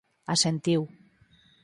Asentiu.